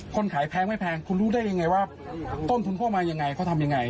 คนขายแพงไม่แพงคุณรู้ได้ยังไงว่าต้นทุนเข้ามายังไงเขาทำยังไง